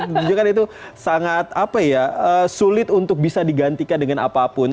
itu juga kan itu sangat apa ya sulit untuk bisa digantikan dengan apapun